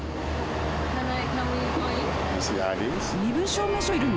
身分証明書いるの？